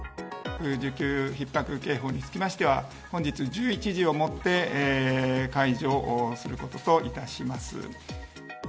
需給ひっ迫警報につきましては、本日１１時をもって解除することといたします。